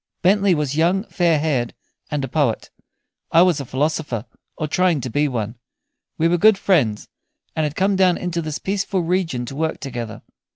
Bentley was young, fair haired, and a poet; I was a philosopher, or trying to be one. We were good friends, and had come down into this peaceful region to work together.